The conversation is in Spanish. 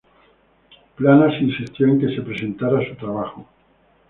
Planas insistió en que se presentara su trabajo.